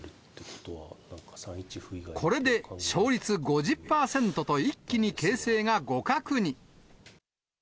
これで勝率５０％と、一気に形勢が互角に。